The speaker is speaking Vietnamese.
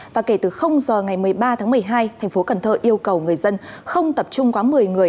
và kể từ giờ ngày một mươi ba tháng một mươi hai tp hcm yêu cầu người dân không tập trung quá một mươi người